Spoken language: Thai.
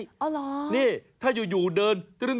อ๋อเหรอนี่ถ้าอยู่เดินตรึ้ง